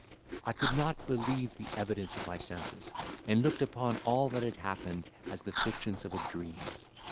I could not believe the evidence of my senses, and looked upon all that had happened as the fictions of a dream!